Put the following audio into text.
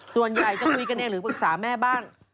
ส่วนใหญ่จะคุยกันเองหรือปรึกษาแม่บ้าง